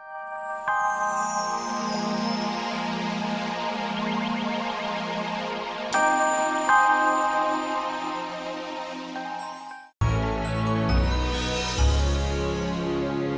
ketemu di kantor